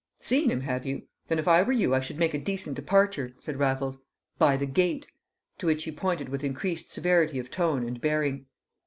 "Seen him, have you? Then if I were you I should make a decent departure," said Raffles, "by the gate " to which he pointed with increased severity of tone and bearing.